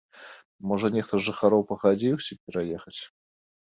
Можа, нехта з жыхароў пагадзіўся б пераехаць.